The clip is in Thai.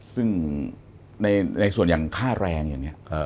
ซึ่งในส่วนอย่างค่าแรงอย่างนี้